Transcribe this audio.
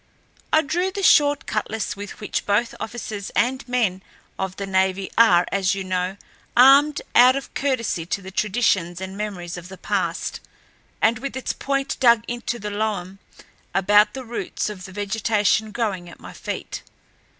I drew the short cutlass with which both officers and men of the navy are, as you know, armed out of courtesy to the traditions and memories of the past, and with its point dug into the loam about the roots of the vegetation growing at my feet.